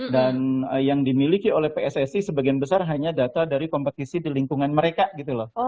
dan yang dimiliki oleh pssi sebagian besar hanya data dari kompetisi di lingkungan mereka gitu loh